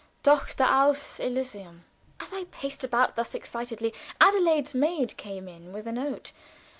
Tochter aus Elysium!" As I paced about thus excitedly, Adelaide's maid came in with a note.